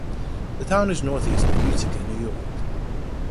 The town is northeast of Utica, New York.